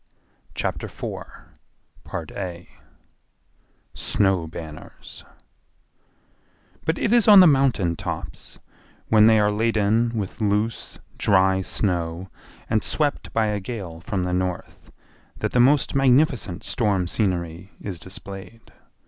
Chapter 4 Snow Banners But it is on the mountain tops, when they are laden with loose, dry snow and swept by a gale from the north, that the most magnificent storm scenery is displayed.